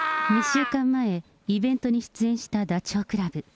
２週間前、イベントに出演したダチョウ倶楽部。